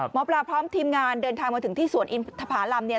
หมอปลาพร้อมทีมงานเดินทางมาถึงที่สวนอินทภารำเนี่ย